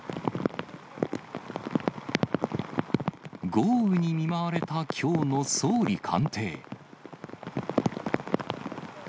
豪雨に見舞われたきょうの総理官邸。